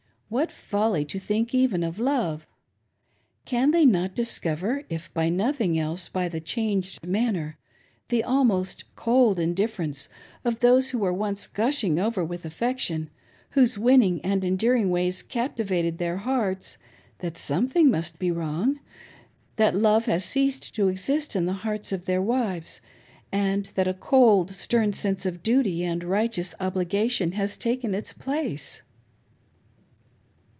What folly to think even of love ! Can they not discover, if by nothing else, by the changed manner, the almost cold indifference, of those who were once gushing over with affection, whose winning and endearing ways captivated their hearts — that something must be wrong — that love has ceased to exist in the hearts of their wives, and that a cold, stern sense of duty and religious obli gation has taken its place